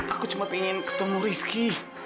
aku cuma pengen ketemu rizky